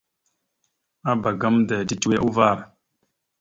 Abak gamənda titewe uvar.